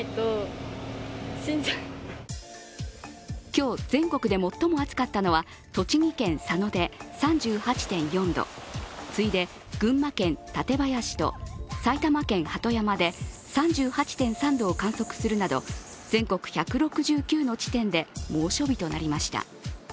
今日、全国で最も暑かったのは栃木県佐野で３８．４度、次いで群馬県館林と埼玉県鳩山で３８．３度を観測するなど全国１６９の地点で猛暑日となりました。